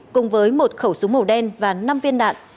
cùng với một khẩu súng màu đen và năm viên đạn